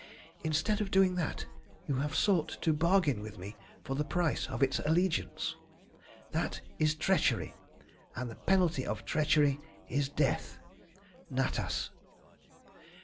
Instead of doing that, you have sought to bargain with me for the price of its allegiance. That is treachery, and the penalty of treachery is death. NATAS.